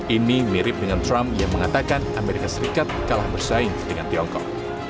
ini mirip dengan trump yang mengatakan amerika serikat kalah bersaing dengan tiongkok